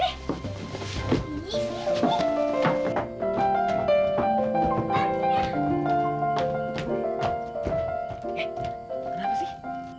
eh kenapa sih